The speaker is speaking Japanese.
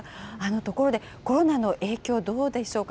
ところで、コロナの影響どうでしょうか。